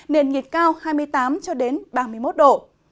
nền nhiệt cao hai mươi tám ba mươi một độ